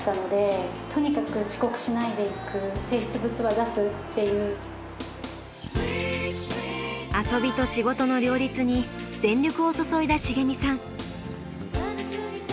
やっぱり遊びと仕事の両立に全力を注いだしげみさん。